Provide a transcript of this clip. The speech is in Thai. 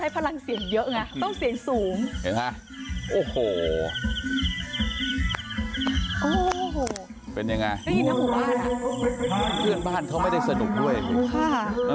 เพื่อนบ้านเขาไม่ได้สนุกด้วยครับค่ะอ่ะ